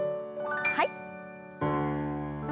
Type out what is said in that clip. はい。